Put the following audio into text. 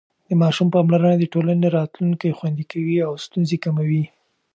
د ماشوم پاملرنه د ټولنې راتلونکی خوندي کوي او ستونزې کموي.